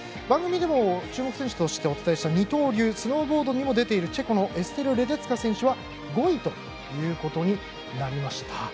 番組でも注目としてお伝えした二刀流スノーボードにも出ているチェコのエステル・レデツカ選手は５位ということになりました。